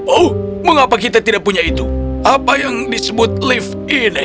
oh mengapa kita tidak punya itu apa yang disebut lift ini